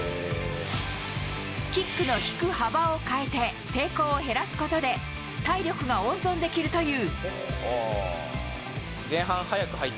キックの引く幅を変えて抵抗を減らすことで体力が温存できるという。